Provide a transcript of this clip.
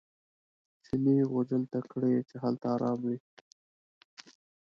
چیني غوجل ته کړئ چې هلته ارام وي.